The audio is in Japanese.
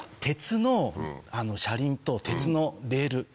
鉄の車輪と鉄のレール